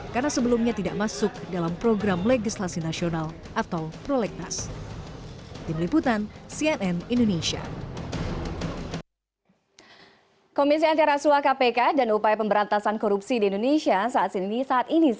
karena sebelumnya tidak masuk dalam program legislasi nasional atau prolegnas